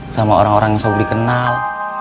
sama orang orang yang sobri kenal